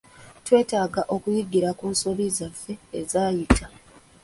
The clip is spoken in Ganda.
Twetaaga okuyigira ku nsobi zaffe ezaayita.